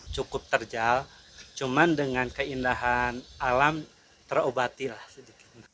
cukup terjal cuman dengan keindahan alam terobati lah sedikit